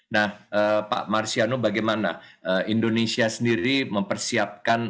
nah pak marsiano bagaimana indonesia sendiri mempersiapkan